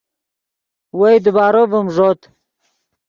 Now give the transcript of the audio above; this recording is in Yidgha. وئے دیبارو ڤیم ݱوت